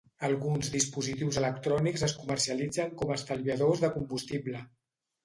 Alguns dispositius electrònics es comercialitzen com a estalviadors de combustible.